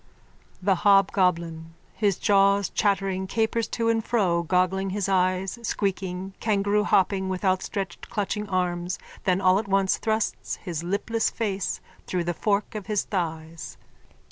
THE HOBGOBLIN: _(His jaws chattering, capers to and fro, goggling his eyes, squeaking, kangaroohopping with outstretched clutching arms, then all at once thrusts his lipless face through the fork of his thighs.)